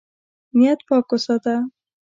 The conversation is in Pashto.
نیت پاک وساته.